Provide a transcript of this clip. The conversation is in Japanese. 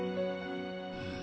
うん。